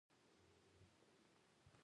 حالات بېرته پر شا لاړل.